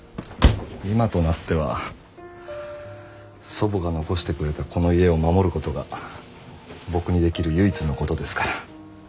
今となっては祖母が残してくれたこの家を守ることが僕にできる唯一のことですから。